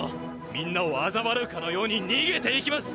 みんなをあざわらうかのようににげていきます！